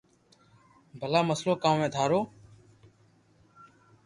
ڀلا مسلو ڪاو ھي ٿارو